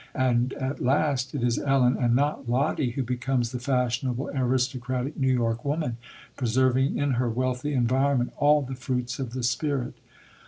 And at last it is Ellen, and not Lottie, who becomes the fashionable, aristocratic, New York woman preserving in her wealthy environment all the fruits of the spirit.